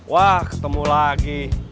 wah ketemu lagi